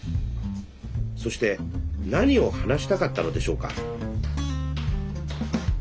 そして何を話したかったのでしょうか。